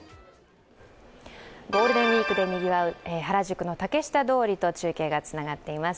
ゴールデンウイークでにぎわう原宿の竹下通りと中継がつながっています。